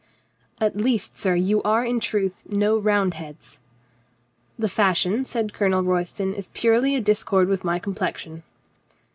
"At least, sir, you are in truth no Roundheads ?" "The fashion," said Colonel Royston, "is purely a discord with my complexion."